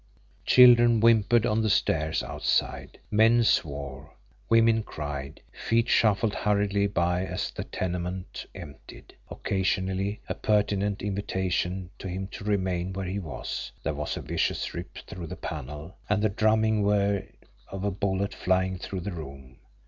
Children whimpered on the stairs outside, men swore, women cried, feet shuffled hurriedly by as the tenement emptied. Occasionally, a pertinent invitation to him to remain where he was, there was a vicious rip through the panel, and the drumming whir of a bullet flying through the room.